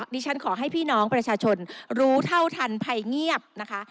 ดิฉันขอให้พี่น้องประชาชนรู้เท่าทันภัยเงียบนะคะ